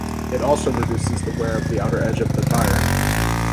It also reduces the wear of the outer edge of the tire.